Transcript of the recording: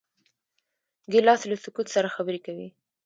ګیلاس له سکوت سره خبرې کوي.